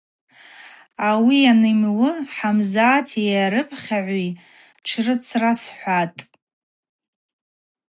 Ауи йанйымуы Хӏамзати йарыпхьагӏви тшырцрасхӏватӏ.